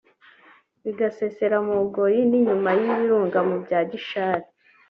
bigasesera mu Bugoyi n’inyuma y’I Birunga mu bya Gishari